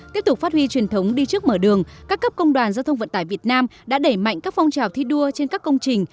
tiếp tục phát huy truyền thống đi trước mở đường các cấp công đoàn giao thông vận tải việt nam đã đẩy mạnh các phong trào thi đua trên các công trình